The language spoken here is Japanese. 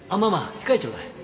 控えちょうだい。